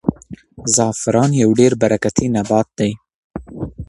زعفران یو ډېر برکتي نبات دی.